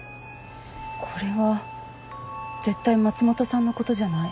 これは絶対松本さんのことじゃない。